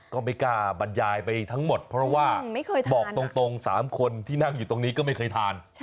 ก็ไม่กล้าบรรยายไปทั้งหมดเพราะว่าบอกตรง๓คนที่นั่งอยู่ตรงนี้ก็ไม่เคยทาน